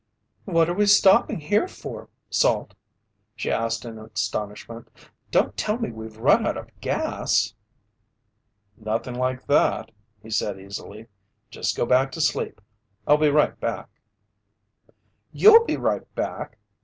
"What are we stopping here for, Salt?" she asked in astonishment. "Don't tell me we've run out of gas!" "Nothing like that," he said easily. "Just go back to sleep. I'll be right back." "You'll be right back!